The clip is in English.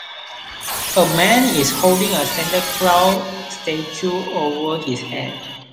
A man is holding a Santa Clause statue over his head.